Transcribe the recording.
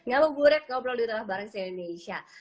gak mau burek ngobrol di tengah tengah bareng saya indonesia